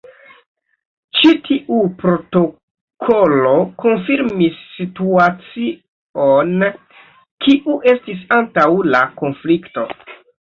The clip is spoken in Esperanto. Ĉi tiu protokolo konfirmis situacion kiu estis antaŭ la konflikto.